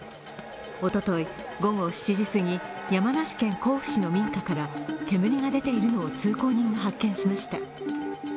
おととい、午後７時すぎ、山梨県甲府市の民家から煙が出ているのを通行人が発見しました。